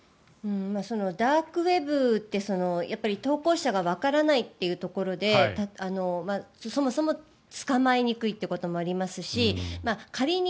ダークウェブって投稿者がわからないというところでそもそも捕まえにくいということもあります